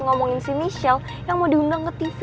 ngomongin si michel yang mau diundang ke tv